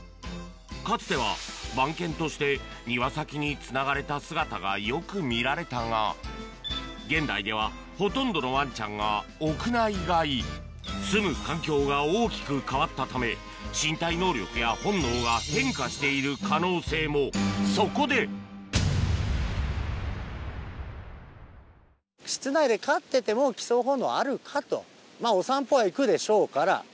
かつては番犬として庭先につながれた姿がよく見られたが現代ではほとんどのワンちゃんが屋内飼いすむ環境が大きく変わったため身体能力や本能が変化している可能性もそこでまぁお散歩は行くでしょうから。